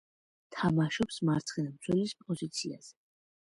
თამაშობს მარცხენა მცველის პოზიციაზე.